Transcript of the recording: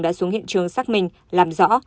đã xuống hiện trường xác minh làm rõ